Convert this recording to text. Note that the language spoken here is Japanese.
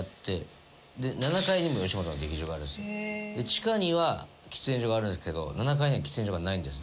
地下には喫煙所があるんですけど７階には喫煙所がないんです。